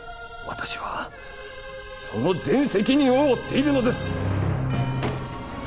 私はその全責任を負っているのです！